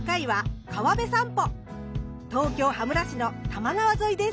東京羽村市の多摩川沿いです。